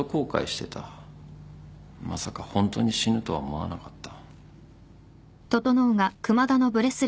まさかホントに死ぬとは思わなかった。